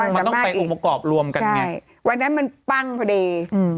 มันต้องไปอุปกรณ์รวมกันไงวันนั้นมันปั้งพอดี